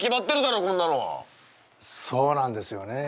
そうなんですよね。